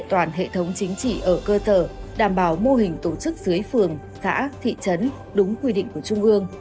toàn hệ thống chính trị ở cơ sở đảm bảo mô hình tổ chức dưới phường xã thị trấn đúng quy định của trung ương